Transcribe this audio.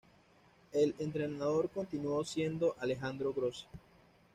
El entrenador continuó siendo Alejandro Grossi.